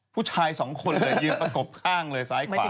ผู้ชายสองคนเลยยืนประกบข้างเลยซ้ายขวา